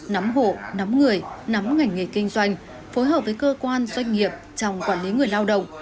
nắm hộ nắm người nắm ngành nghề kinh doanh phối hợp với cơ quan doanh nghiệp trong quản lý người lao động